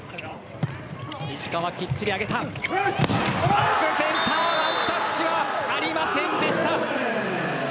バックセンターワンタッチはありませんでした。